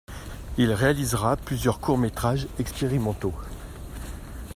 Il réalisera plusieurs courts-métrages expérimentaux.